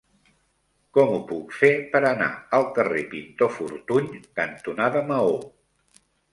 Com ho puc fer per anar al carrer Pintor Fortuny cantonada Maó?